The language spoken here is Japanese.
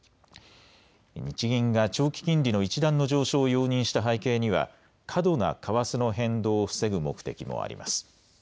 日銀が長期金利の一段の上昇を容認した背景には過度な為替の変動を防ぐ目的もあります。